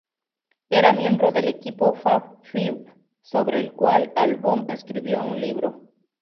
Era miembro del equipo "Fab Five", sobre el cual Albom escribió un libro.